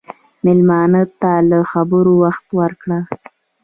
مېلمه ته له خبرو وخت ورکړه.